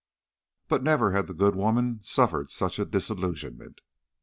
But never had the good woman suffered such a disillusionment.